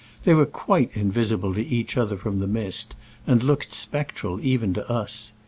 They were quite invisible to each other from the mist, and looked spectral even to us.